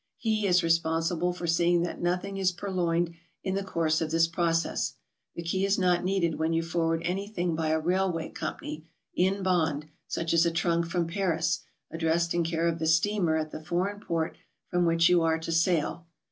He is responsible for seeing that nothing is purloined in the course of this process. The key is not needed when you forward anything by a railway company "in bond,'' such as a trunk from Paris, addressed in care of the steamer at the foreign port from which you are to sail.